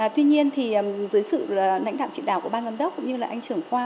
tuy nhiên thì dưới sự lãnh đạo trị đảo của ban giám đốc cũng như là anh trưởng khoa